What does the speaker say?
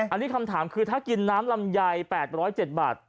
อันนี้คำถามคือถ้ากินน้ำลำไย๘๐๗บาท